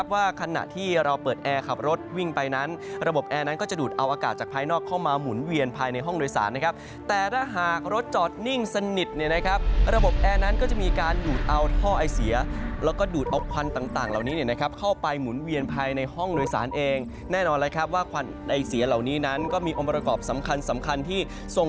ว่าขณะที่เราเปิดแอร์ขับรถวิ่งไปนั้นระบบแอร์นั้นก็จะดูดเอาอากาศจากภายนอกเข้ามาหมุนเวียนภายในห้องโดยสารนะครับแต่ถ้าหากรถจอดนิ่งสนิทเนี่ยนะครับระบบแอร์นั้นก็จะมีการดูดเอาท่อไอเสียแล้วก็ดูดเอาควันต่างเหล่านี้เนี่ยนะครับเข้าไปหมุนเวียนภายในห้องโดยสารเองแน่นอนแล้วครับว่าควันไอเสียเหล่านี้นั้นก็มีองค์ประกอบสำคัญสำคัญที่ทรง